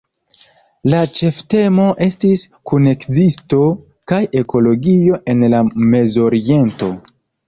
La ĉeftemo estis “kunekzisto kaj ekologio en la Mezoriento".